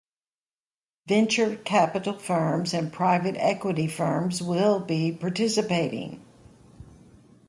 Venture capital firms and private equity firms will be participating.